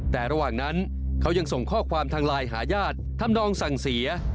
แต่ระหว่างนั้นเขายังส่งข้อความทางไลน์หาญาติทำนองสั่งเสีย